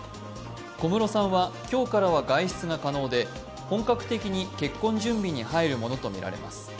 小室さんは今日からは外出が可能で本格的に結婚準備に入るものとみられます。